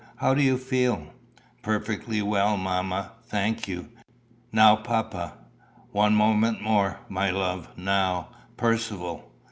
"How do you feel?" "Perfectly well, mamma, thank you. Now, papa!" "One moment more, my love. Now, Percivale."